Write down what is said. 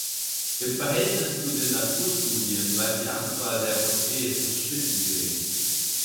Im Verhältnis zu den Naturstudien bleibt die Anzahl der Porträts verschwindend gering.